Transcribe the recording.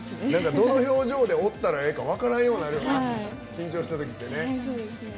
どの表情でおったらええか分からんようになるよな緊張したときってね。